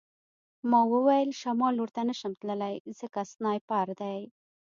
ما وویل شمال لور ته نشم تللی ځکه سنایپر دی